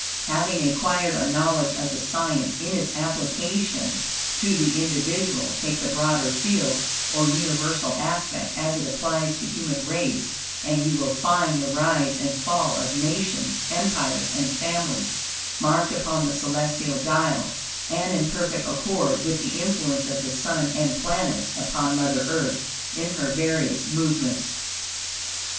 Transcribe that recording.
Having acquired a knowledge of the science in its application to the individual, take the broader field, or universal aspect, as it applies to human races, and you will find the rise and fall of nations, empires and families marked upon the celestial dial, and in perfect accord with the influence of the Sun and planets upon Mother Earth, in her various movements.